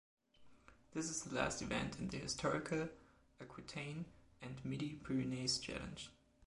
This is the last event in the historical Aquitaine and Midi-Pyrénées Challenge.